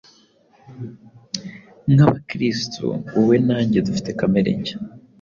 Nkabakristo, wowe na njye dufite kamere nshya,